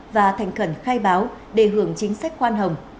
và thành khẩn khai báo để hưởng chính sách khoan hồng